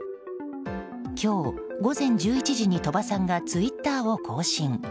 今日午前１１時に鳥羽さんがツイッターを更新。